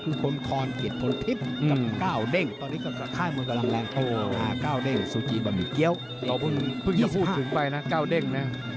คือคนคอนกิดคนทิศกับก้าวเด้ง